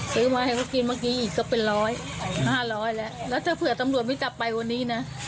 ซื้อมาให้เขากินเมื่อกี้อีกก็เป็นร้อยห้าร้อยแล้วแล้วถ้าเผื่อตำรวจไม่จับไปวันนี้นะ